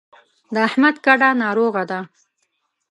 د احمد کډه ناروغه ده.